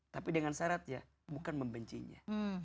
tapi dengan syarat ya bukan membencinya